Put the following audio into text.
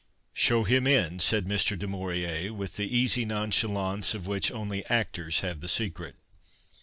" Show him in," said Mr, du Maurier with the easy nonchalance of which only actors have the secret.